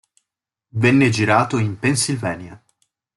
Venne girato in Pennsylvania.